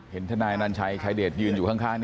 ทนายนันชัยชายเดชยืนอยู่ข้าง